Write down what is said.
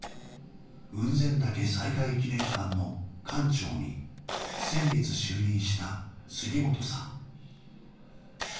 雲仙岳災害記念館の館長に先月就任した杉本さん